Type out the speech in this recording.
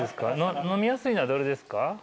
飲みやすいのはどれですか？